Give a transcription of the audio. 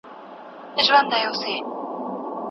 خدایه په زړه کي مي دا یو ارمان راپاته مه کې